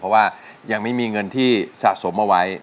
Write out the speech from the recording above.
เพราะว่ายังไม่มีเงินที่สะสมเอาไว้